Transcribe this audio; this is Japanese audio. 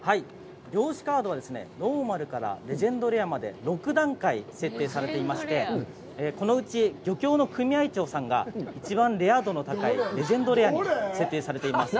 漁師カードはですね、ノーマルからレジェンドレアまで６段階設定されていまして、このうち、漁協の組合長さんが一番レア度の高いレジェンドレアに設定されています。